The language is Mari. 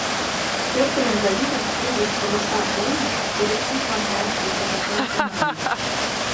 Пӧртыльым да вигак Пургыж роша олмыш коллективлан каяш клопотатлаш тӱҥальым.